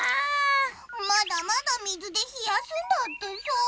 まだまだ水でひやすんだってさ。